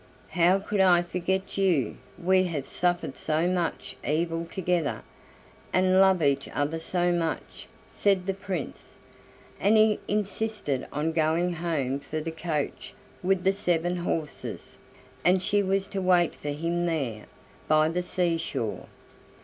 "How could I forget you? We have suffered so much evil together, and love each other so much," said the Prince; and he insisted on going home for the coach with the seven horses, and she was to wait for him there, by the sea shore.